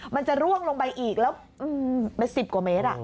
มันจะร่วงลงไปอีกแล้วเป็น๑๐กว่าเมตร